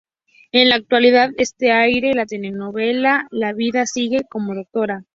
En la actualidad, este aire, la telenovela, "La vida sigue" como Dra.